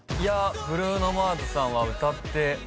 ブルーノ・マーズさんは歌って踊れるので。